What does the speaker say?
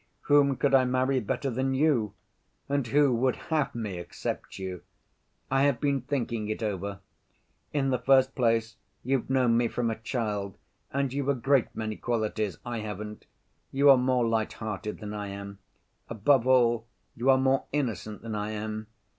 Whom could I marry better than you—and who would have me except you? I have been thinking it over. In the first place, you've known me from a child and you've a great many qualities I haven't. You are more light‐ hearted than I am; above all, you are more innocent than I am.